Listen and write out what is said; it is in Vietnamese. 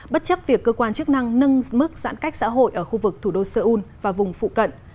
bất chấp việc cơ quan chức năng nâng mức giãn cách xã hội ở khu vực thủ đô seoul và vùng phụ cận